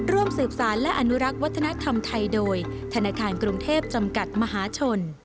ร่วมสืบสารและอนุรักษ์วัฒนธรรมไทยโดยธนาคารกรุงเทพจำกัดมหาชน